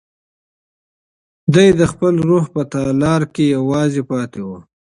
دی د خپل روح په تالار کې یوازې پاتې و.